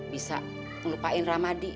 bisa ngelupain ramadi